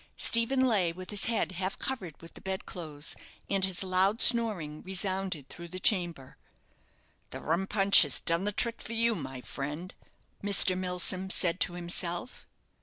Stephen lay with his head half covered with the bed clothes, and his loud snoring resounded through the chamber. "The rum punch has done the trick for you, my friend," Mr. Milsom said to himself.